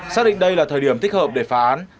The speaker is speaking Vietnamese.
xác định đây là thời điểm thích hợp để phá án